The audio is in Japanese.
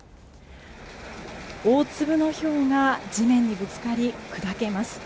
大粒のひょうが地面にぶつかり、砕けます。